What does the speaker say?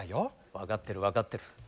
分かってる分かってる。